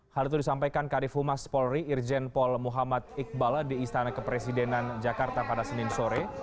hal itu disampaikan kadif humas polri irjen pol muhammad iqbal di istana kepresidenan jakarta pada senin sore